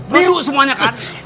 biru semuanya kan